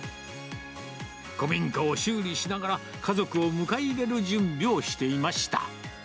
古民家を修理しながら、家族を迎え入れる準備をしていました。